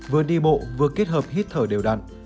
vừa đi bộ vừa kết hợp hít thở đều đặn